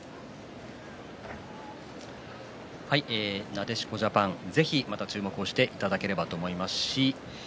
なでしこジャパンぜひ、また注目をしていただきたいと思いますし